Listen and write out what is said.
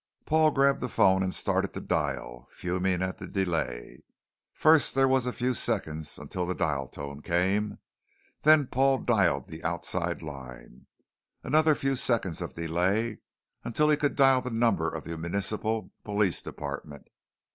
Paul grabbed the phone and started to dial, fuming at the delay. First there was a few seconds until the dial tone came, then Paul dialed the outside line. Another few seconds of delay until he could dial the number of the municipal police department.